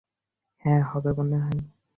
হ্যাঁ, হবে মনে হয়।